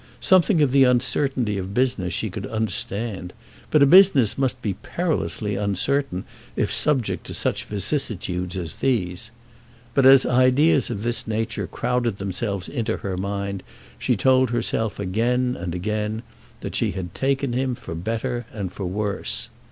Something of the uncertainty of business she could understand, but a business must be perilously uncertain if subject to such vicissitudes as these! But as ideas of this nature crowded themselves into her mind she told herself again and again that she had taken him for better and for worse.